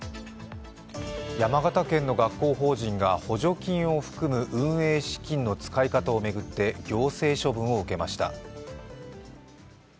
山形県の学校法人が補助金を含む運営資金の使い方を巡って行政処分を受けました。